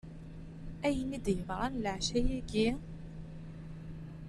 Ayen i d-yeḍran leɛca-ayi.